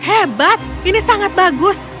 hebat ini sangat bagus